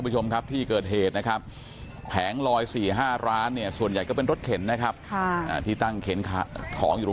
สี่ห้าร้านเนี่ยส่วนใหญ่ก็เป็นรถเข็นนะครับค่ะอ่าที่ตั้งเข็นขาของอยู่ตรง